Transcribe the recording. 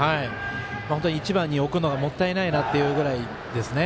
本当に１番に置くのがもったいないなというぐらいですね。